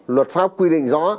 luật pháp quy định rõ